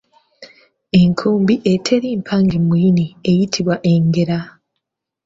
Enkumbi eteri mpange mu muyini eyitibwa engera.